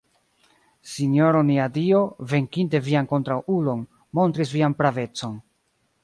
Sinjoro nia Dio, venkinte vian kontraŭulon, montris vian pravecon.